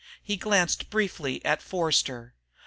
He glanced briefly at Forster.